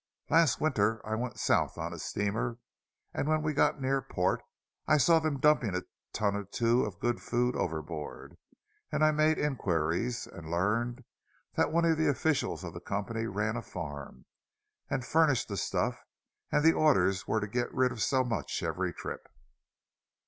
Last winter I went South on a steamer, and when we got near port, I saw them dumping a ton or two of good food overboard; and I made inquiries, and learned that one of the officials of the company ran a farm, and furnished the stuff—and the orders were to get rid of so much every trip!"